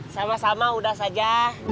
sama sama udah saja